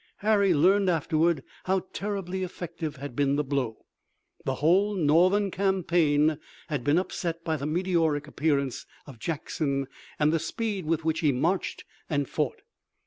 Harry learned afterward how terribly effective had been the blow. The whole Northern campaign had been upset by the meteoric appearance of Jackson and the speed with which he marched and fought.